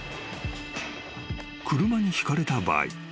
［車にひかれた場合